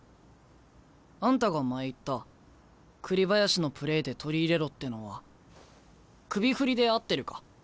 あんたが前言った栗林のプレーで取り入れろってのは首振りで合ってるか？